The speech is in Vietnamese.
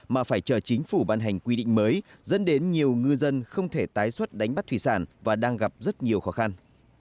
mà phải chờ chính phủ ban hành quy định mới dẫn đến nhiều ngư dân không thể tái xuất đánh bắt thủy sản và đang gặp rất nhiều khó khăn